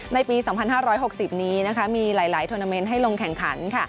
ในปี๒๕๖๐นี้มีหลายทวนาเมนต์ให้ลงแข่งขัน